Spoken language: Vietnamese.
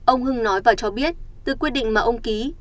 ông hưng nói và cho biết từ quyết định mà ông ký